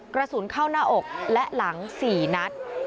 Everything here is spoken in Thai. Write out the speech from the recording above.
กระสุนเข้าหน้าอกและหลัง๔นัด